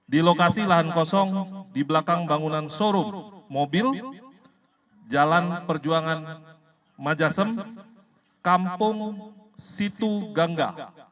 di lokasi lahan kosong di belakang bangunan sorup mobil jalan perjuangan majasem kampung situ gangga